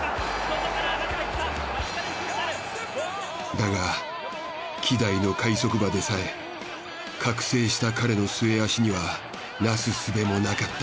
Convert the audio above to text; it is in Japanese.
だが希代の快速馬でさえ覚醒した彼の末脚にはなすすべもなかった。